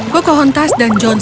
huh huh huh